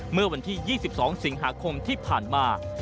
เมื่อวันที่๒๒สิงหาคมที่ผ่านมา